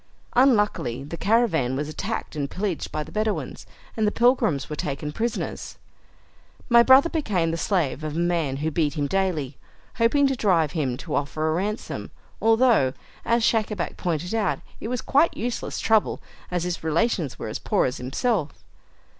Unluckily, the caravan was attacked and pillaged by the Bedouins, and the pilgrims were taken prisoners. My brother became the slave of a man who beat him daily, hoping to drive him to offer a ransom, although, as Schacabac pointed out, it was quite useless trouble, as his relations were as poor as himself.